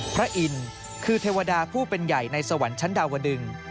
พระอินทร์คือเทวดาผู้เป็นใหญ่ในสวรรค์ชั้นดาวดึง